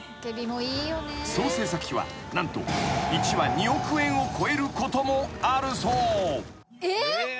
［総製作費は何と１話２億円を超えることもあるそう］えっ！？